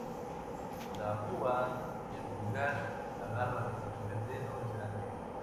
La púa del pulgar, la garra del primer dedo, es grande.